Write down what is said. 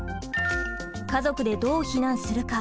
家族でどう避難するか？